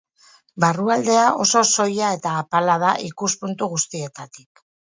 Barrualdea oso soila eta apala da ikuspuntu guztietatik.